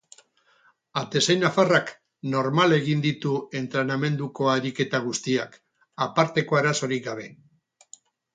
Atezain nafarrak normal egin ditu entrenamenduko ariketa guztiak, aparteko arazorik gabe.